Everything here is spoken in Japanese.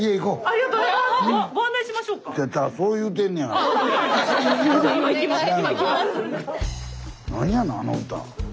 なんやのあの歌。